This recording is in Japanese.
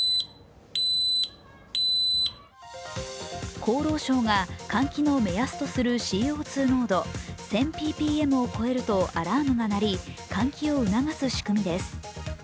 厚労省が換気の目安とするＣＯ２濃度１０００ｐｐｍを超えるとアラームが鳴り、換気を促す仕組みです。